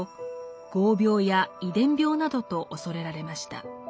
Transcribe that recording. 業病や遺伝病などと恐れられました。